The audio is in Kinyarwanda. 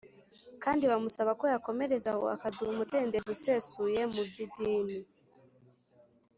kandi bamusaba ko yakomereza aho akaduha umudendezo usesuye mu by idini